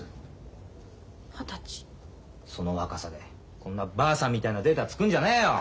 その若さでこんなバアサンみたいなデータ作んじゃねえよ！